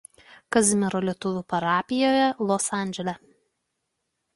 Kazimiero lietuvių parapijoje Los Andžele.